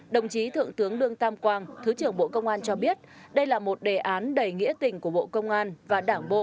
đồng chí thượng tướng đương tam quang thứ trưởng bộ công an cho biết đây là một đề án đầy nghĩa tình của bộ công an và đảng bộ